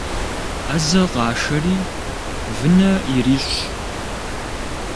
Ӏэзэ къашэри вынэ ирищӀщ.